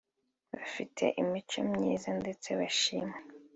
bafite imico myiza ndetse bashimwa